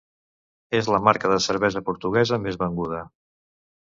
És la marca de cervesa portuguesa més venguda.